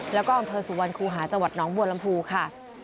แล้วก็อำเภอสุวรรณคูหาจังหวัดน้องบัวลำพูค่ะ